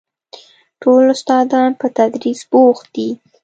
ټول استادان په تدريس بوخت دي.